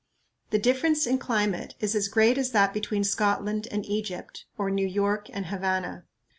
The difference in climate is as great as that between Scotland and Egypt, or New York and Havana.